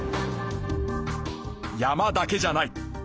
山だけじゃない。